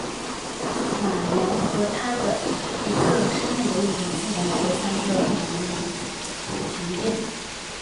马纽和她的一个深陷毒瘾的女性朋友被三个男人强奸。